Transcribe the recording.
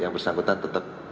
yang bersangkutan tetap